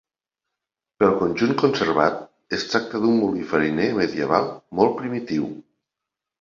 Pel conjunt conservat, es tracta d'un molí fariner medieval molt primitiu.